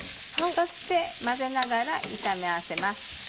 そして混ぜながら炒め合わせます。